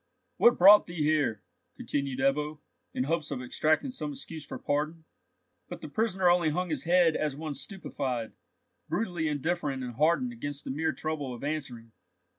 "What brought thee here?" continued Ebbo, in hopes of extracting some excuse for pardon; but the prisoner only hung his head as one stupefied, brutally indifferent and hardened against the mere trouble of answering.